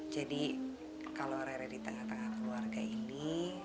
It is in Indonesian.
jadi kalau re di tengah tengah keluarga ini